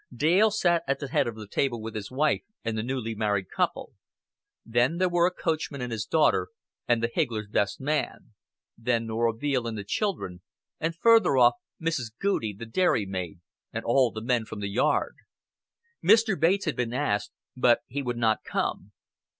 Dale sat at the head of the table with his wife and the newly married couple; then there were a coachman and his daughter, and the higgler's best man; then Norah Veale and the children, and further off Mrs. Goudie, the dairymaid, and all the men from the yard. Mr. Bates had been asked, but he would not come.